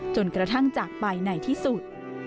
จนกระทั่งจากไปในที่สุด